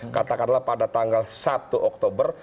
katakanlah pada tanggal satu oktober